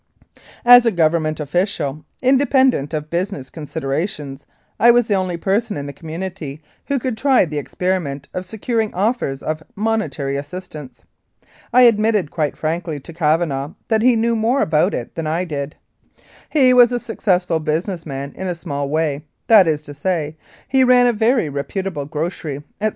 As a Government official, independent of business considerations, I was the only person in the community who could try the experiment of securing offers of monetary assistance. I admitted quite frankly to Cavanah that he knew more about it than I did. He was a successful business man in a small way; that is to say, he ran a very reputable grocery, etc.